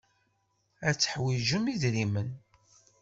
Ad teḥwijem idrimen.